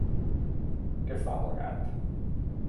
Què fa el gat?